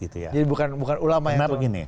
jadi bukan ulama ya